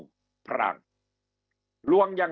คำอภิปรายของสอสอพักเก้าไกลคนหนึ่ง